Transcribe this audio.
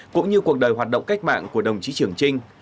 cũng như cuộc đời hoạt động cách mạng của đồng chí trường trinh